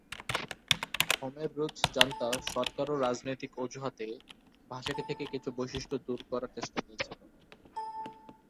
খমের Rouge junta সরকারও রাজনৈতিক অজুহাতে ভাষাটি থেকে কিছু বৈশিষ্ট্য দূর করার চেষ্টা নিয়েছিল।